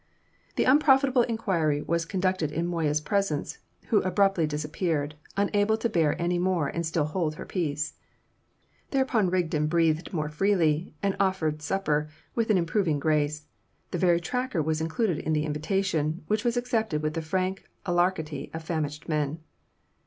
The unprofitable inquiry was conducted in Moya's presence, who abruptly disappeared, unable to bear any more and still hold her peace. Thereupon Rigden breathed more freely, and offered supper with an improving grace; the very tracker was included in the invitation, which was accepted with the frank alacrity of famished men.